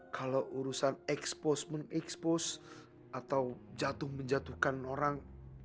kalau urusan expose men expose atau jatuh menjatuhkan orang